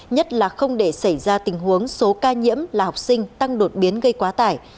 nhất là không để xảy ra tình huống số ca nhiễm là học sinh tăng đột biến gây quá tải